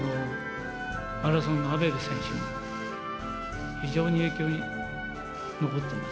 マラソンのアベベ選手も、非常に影響に残ってます。